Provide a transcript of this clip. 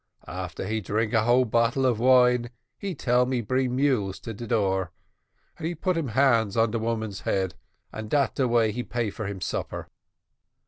After he drink a whole bottle of wine he tell em bring mules to de door, and he put him hands on de woman head, and dat de way he pay for him supper.